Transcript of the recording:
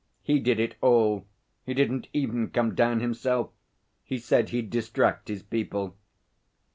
He did it all. He didn't even come down himself. He said he'd distract his people.'